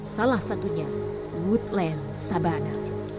salah satunya woodland sabana